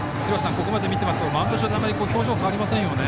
ここまで見ていますとマウンド上であまり表情が変わりませんよね。